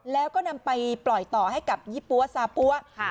แล้วก็นำไปปล่อยต่อให้กับยี่ปั๊วซาปั๊ว